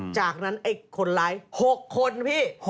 จากนั้นไอ้คนร้าย๖คนพี่